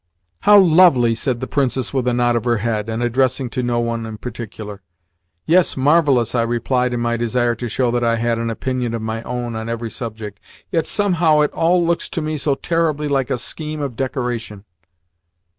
"How lovely!" said the Princess with a nod of her head, and addressing no one in particular. "Yes, marvellous!" I replied in my desire to show that had an opinion of my own on every subject. "Yet somehow it all looks to me so terribly like a scheme of decoration."